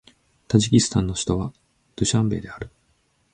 タジキスタンの首都はドゥシャンベである